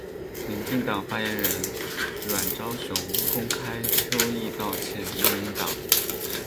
民进党发言人阮昭雄公开邱毅道歉录音档。